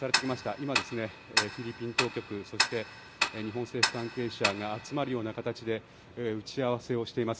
今、フィリピン当局そして日本政府関係者が集まるような形で打ち合わせをしています。